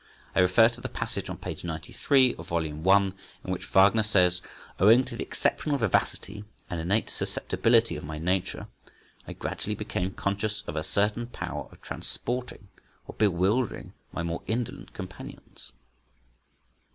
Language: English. I refer to the passage on p. 93 of vol i., in which Wagner says:—"Owing to the exceptional vivacity and innate susceptibility of my nature … I gradually became conscious of a certain power of transporting or bewildering my more indolent companions."